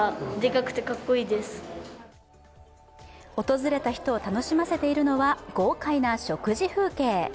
訪れた人を楽しませているのは豪快な食事風景。